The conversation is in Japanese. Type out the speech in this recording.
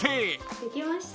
できました。